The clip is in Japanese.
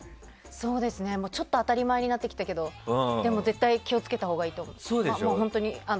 そうですね、ちょっと当たり前になってきたけどでも絶対気を付けたほうがいいと思う。